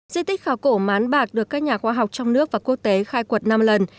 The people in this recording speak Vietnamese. di tích khảo cổ mán bạc được các nhà khoa học trong nước và quốc tế khai quật năm lần